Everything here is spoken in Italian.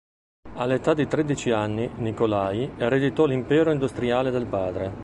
All'età di tredici anni, Nikolaj ereditò l'impero industriale del padre.